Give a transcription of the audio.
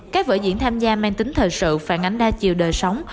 các vở diễn tham gia mang tính thời sự phản ánh đa chiều đời sống